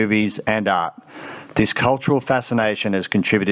fasinasi kultur ini telah berkontribusi